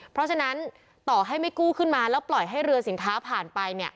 เพราะฉะนั้นต่อให้ไม่กู้ขึ้นมาแล้วปล่อยให้เรือสินค้าผ่านไป